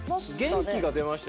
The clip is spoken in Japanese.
元気が出ました